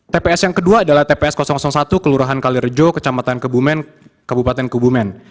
tps yang kedua adalah tps satu kelurahan kalirejo kecamatan kebumen kabupaten kebumen